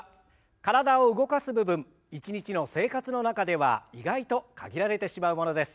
体を動かす部分一日の生活の中では意外と限られてしまうものです。